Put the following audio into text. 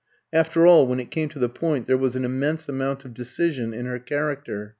After all, when it came to the point, there was an immense amount of decision in her character.